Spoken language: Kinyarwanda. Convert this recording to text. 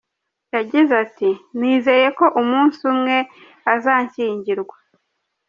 Yagize ati “nizeye ko umunsi umwe azashyingirwa.